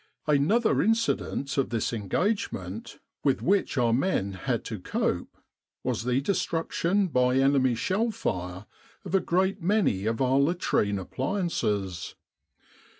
Another incident of this engagement, with which our men had to cope, was the destruction by enemy shell fire of a great many of our latrine appliances.